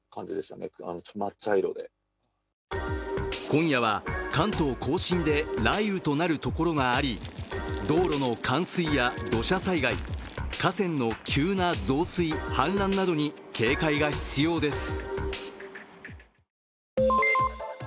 今夜は関東甲信で雷雨となる所があり、道路の冠水や土砂災害、河川の急な増水氾濫などに警戒が必要です。